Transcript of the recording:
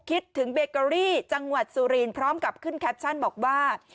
คิดถึงเบเกอรี่จังหวัดสุรินทร์พร้อมกับขึ้นแคปชั่นบอกว่า